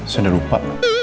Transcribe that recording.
sos udah lupa